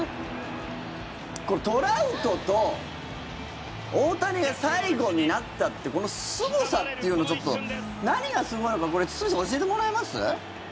これ、トラウトと大谷が最後になったってこのすごさっていうのちょっと何がすごいのかこれ、堤さん教えてもらえます？